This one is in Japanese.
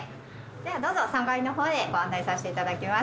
ではどうぞ３階のほうへご案内させていただきます。